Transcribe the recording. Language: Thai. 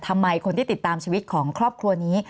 ทำไมคนที่ติดตามชีวิตของครอบครัวนี้